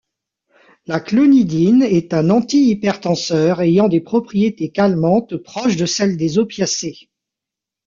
La clonidine est un antihypertenseur ayant des propriétés calmantes proches de celles des opiacés.